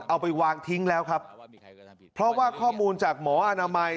เอาไปวางทิ้งแล้วครับเพราะว่าข้อมูลจากหมออนามัย